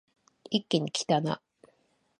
一気にきたな